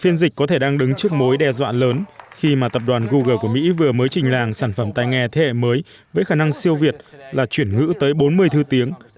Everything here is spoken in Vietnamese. phiên dịch có thể đang đứng trước mối đe dọa lớn khi mà tập đoàn google của mỹ vừa mới trình làng sản phẩm tay nghề thế hệ mới với khả năng siêu việt là chuyển ngữ tới bốn mươi thứ tiếng